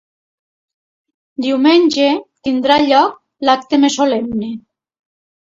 Diumenge tindrà lloc l’acte més solemne.